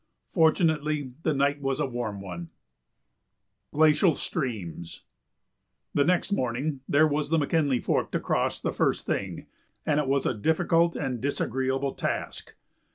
Fortunately, the night was a warm one. [Sidenote: Glacial Streams] The next morning there was the McKinley Fork to cross the first thing, and it was a difficult and disagreeable task.